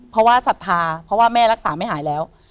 เพราะว่าศรัทธาเพราะว่าแม่รักษาไม่หายแล้ว